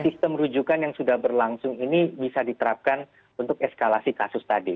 sistem rujukan yang sudah berlangsung ini bisa diterapkan untuk eskalasi kasus tadi